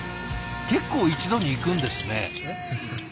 結構一度にいくんですね。